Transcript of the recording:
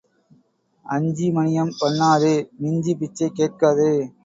அஞ்சி மணியம் பண்ணாதே மிஞ்சிப் பிச்சை கேட்காதே.